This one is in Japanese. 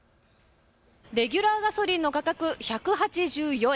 レギュラーガソリンの価格、１８４円。